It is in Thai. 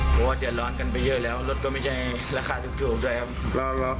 โอ้โหเดี๋ยวร้อนกันไปเยอะแล้วรถก็ไม่ใช่ราคาถูกครับ